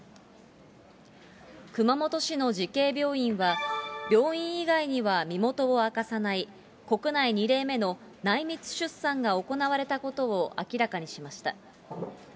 熊本市の慈恵病院は、病院以外には身元を明かさない、国内２例目の内密出産が行われたことを明らかにしました。